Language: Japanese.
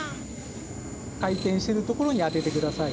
かいてんしてるところにあててください。